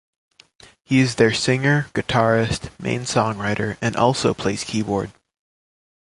He is their singer, guitarist, main songwriter and also plays keyboard.